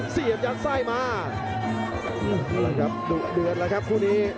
เสียบยัดไส้มานั่นแหละครับดุเดือดแล้วครับคู่นี้